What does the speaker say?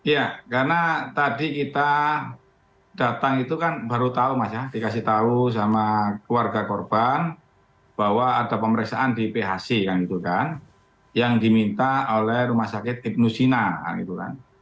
ya karena tadi kita datang itu kan baru tahu mas ya dikasih tahu sama keluarga korban bahwa ada pemeriksaan di phc yang diminta oleh rumah sakit ibnusina